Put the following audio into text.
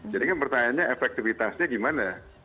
jadi kan pertanyaannya efektivitasnya gimana